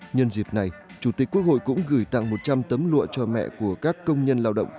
nhân dịp này chủ tịch quốc hội cũng gửi tặng một trăm linh tấm lụa cho mẹ của các công nhân lao động